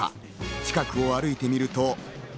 近くを歩いてみると。